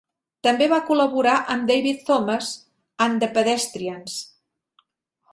També va col·laborar amb David Thomas and the Pedestrians.